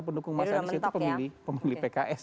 pendukung mas anies itu pemilih pemilih pks